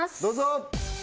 どうぞ！